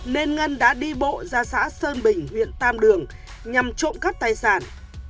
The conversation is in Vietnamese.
nên ngân đã đi bộ ra xã sơn bình huyện tam đường nhằm trộm cắp tài sản